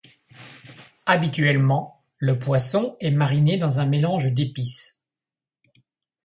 Habituellement, le poisson est mariné dans un mélange d'épices.